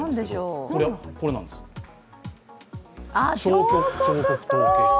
これ、彫刻刀ケース。